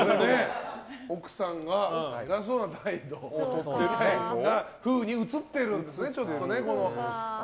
奥さんが偉そうな態度のように映ってるんですね。